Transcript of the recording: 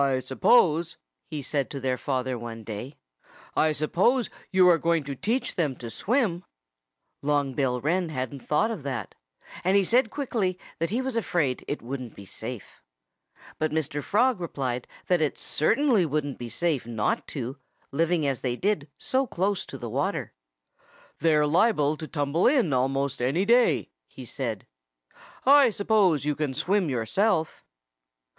"I suppose " he said to their father one day "I suppose you are going to teach them to swim?" Long Bill Wren hadn't thought of that. And he said quickly that he was afraid it wouldn't be safe. But Mr. Frog replied that it certainly wouldn't be safe not to, living as they did so close to the water. "They're liable to tumble in almost any day," he said. "I suppose you can swim, yourself?"